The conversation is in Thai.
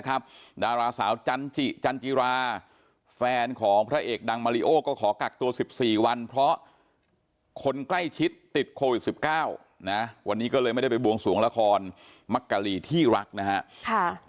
ก็แค่รู้สึกว่ามันใกล้ตัวเรามากเพราะแอดก็เห็นว่ามีน้องนักแสดงหลายคนก็กักตัวกักตัวกันเยอะมาก